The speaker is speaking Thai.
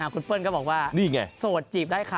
คุณเปิ้ลก็บอกว่านี่ไงโสดจีบได้ค่ะ